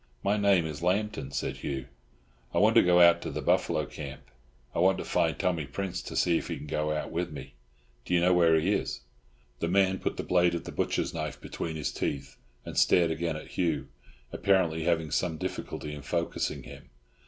"My name is Lambton," said Hugh. "I want to go out to the buffalo camp. I want to find Tommy Prince, to see if he can go out with me. Do you know where he is?" The man put the blade of the butcher's knife between his teeth, and stared again at Hugh, apparently having some difficulty in focussing him.